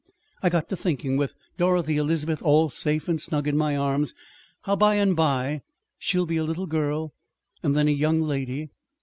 I got to thinking, with Dorothy Elizabeth all safe and snug in my arms, how, by and by, she'd be a little girl, and then a young lady.